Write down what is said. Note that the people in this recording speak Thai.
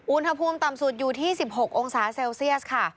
อุณหภูมิต่ำสุดอยู่ที่๑๖องศาเซลเซียสค่ะ